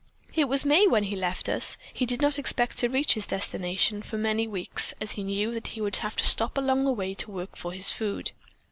"It was May when he left us. He did not expect to reach his destination for many weeks, as he knew that he would have to stop along the way to work for his food.